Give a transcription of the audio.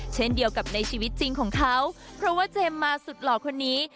เช่นเดียวกับในชีวิตจริงของเขาเพราะว่าเจมส์มาสุดหล่อคนนี้